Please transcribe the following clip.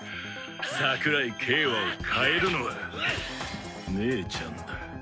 桜井景和を変えるのは姉ちゃんだ。